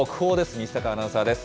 西阪アナウンサーです。